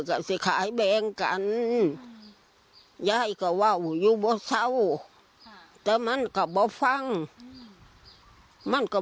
ก็สิขายแดงกันยายก็ว่าอยู่บ่เศร้าแต่มันก็บ่ฟังมันก็